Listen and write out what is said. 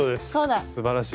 すばらしい。